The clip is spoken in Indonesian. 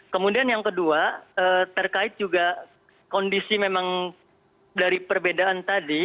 kemudian yang kedua terkait juga kondisi memang dari perbedaan tadi